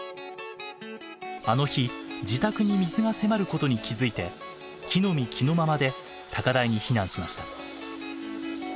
あの日自宅に水が迫ることに気付いて着のみ着のままで高台に避難しました。